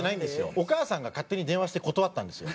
お母さんが勝手に電話して断ったんですよ。